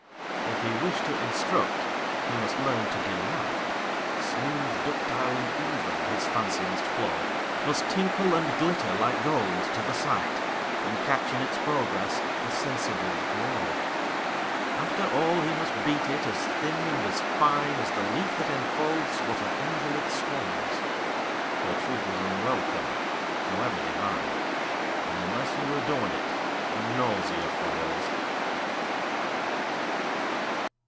If he wish to instruct, he must learn to delight, Smooth, ductile, and even, his fancy must flow, Must tinkle and glitter like gold to the sight, And catch in its progress a sensible glow. After all he must beat it as thin and as fine As the leaf that enfolds what an invalid swallows, For truth is unwelcome, however divine, And unless you adorn it, a nausea follows.